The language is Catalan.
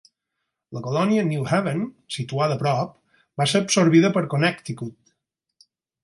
La colònia New Haven, situada a prop, va ser absorbida per Connecticut.